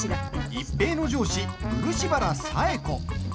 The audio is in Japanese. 一平の上司、漆原冴子。